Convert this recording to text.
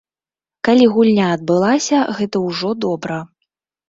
Калі гульня адбылася, гэта ўжо добра.